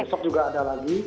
besok juga ada lagi